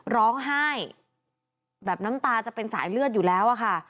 ร้องไห้แบบน้ำตาจะเป็นสายเลือดอยู่แล้วอะค่ะ